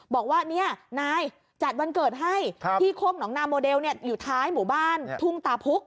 บอกว่าเนี่ยนายจัดวันเกิดให้ที่โคกหนองนาโมเดลอยู่ท้ายหมู่บ้านทุ่งตาพุก